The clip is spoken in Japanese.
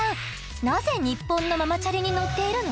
なぜニッポンのママチャリに乗っているの？